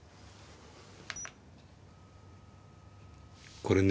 これね。